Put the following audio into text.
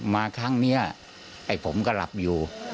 มาครั้งนี้ไอ้ผมก็หลับอยู่